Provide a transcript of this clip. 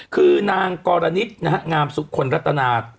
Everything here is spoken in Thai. คือนางกรณิตนะฮะงามสุขลรัตนา